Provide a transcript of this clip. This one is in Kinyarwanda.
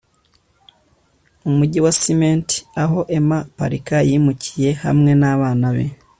umujyi wa cement, aho emma parker yimukiye hamwe nabana be